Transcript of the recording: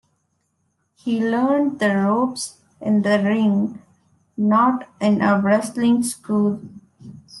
He learned the ropes in the ring, not in a wrestling school.